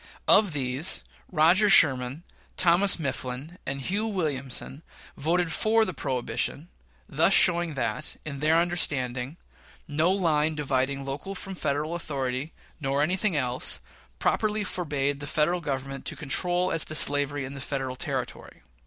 Of these, Roger Sherman, Thomas Mifflin, and Hugh Williamson voted for the prohibition, thus showing that, in their understanding, no line dividing local from Federal authority, nor anything else, properly forbade the Federal Government to control as to slavery in Federal territory.